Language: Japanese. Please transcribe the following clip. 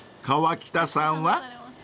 ［河北さんは？］